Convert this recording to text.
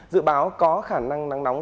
dự báo có khả năng nắng nóng